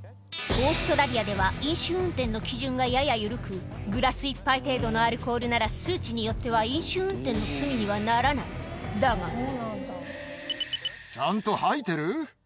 オーストラリアでは飲酒運転の基準がやや緩くグラス１杯程度のアルコールなら数値によっては飲酒運転の罪にはならないだがそう。